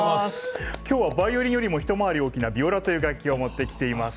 きょうはバイオリンよりも一回り大きなビオラという楽器を持ってきています。